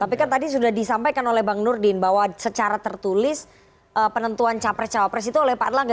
tapi kan tadi sudah disampaikan oleh bang nurdin bahwa secara tertulis penentuan capres cawapres itu oleh pak erlangga